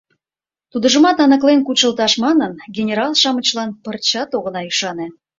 Тудыжымат аныклен кучылташ манын, генерал-шамычлан пырчат огына ӱшане.